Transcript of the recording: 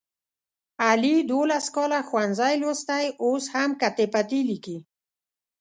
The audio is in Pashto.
علي دوولس کاله ښوونځی لوستی اوس هم کتې پتې لیکي.